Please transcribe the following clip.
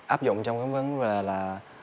áp dụng trong vấn đề là